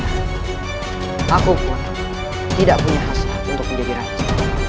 aku pun tidak punya hasan untuk menjadi raja